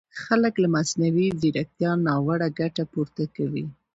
خلک له مصنوعي ځیرکیتا ناوړه ګټه پورته کوي!